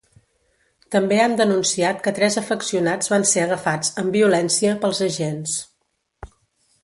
També han denunciat que tres afeccionats van ser agafats ‘amb violència’ pels agents.